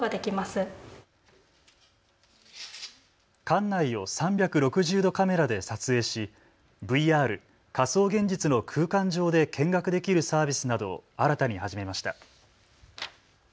館内を３６０度カメラで撮影しＶＲ・仮想現実の空間上で見学できるサービスなどを新たに始めました。